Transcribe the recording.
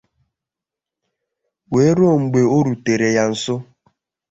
wee ruo mgbe o rutere ya nso